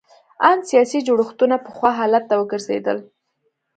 ان سیاسي جوړښتونه پخوا حالت ته وګرځېدل.